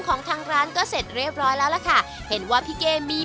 ของทางร้านก็เสร็จเรียบร้อยแล้วล่ะค่ะเห็นว่าพี่เกมี